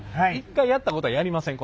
１回やったことはやりません